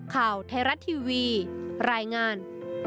ข่าวไทยรัฐทีวีรายงาน